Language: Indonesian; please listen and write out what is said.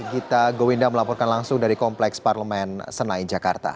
kita gowinda melaporkan langsung dari kompleks parlemen senai jakarta